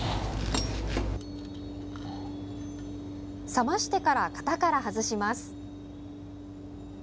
冷ましてから、型から外します。